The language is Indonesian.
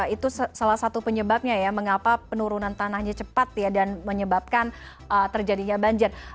itu salah satu penyebabnya ya mengapa penurunan tanahnya cepat ya dan menyebabkan terjadinya banjir